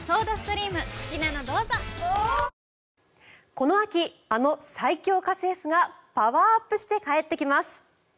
この秋、あの最強家政夫がパワーアップして帰ってきます。